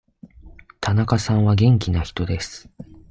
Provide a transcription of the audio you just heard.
田中さんは元気な人です。